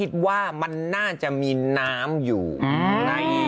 ดำเนินคดีต่อไปนั่นเองครับ